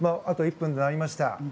あと１分になりました。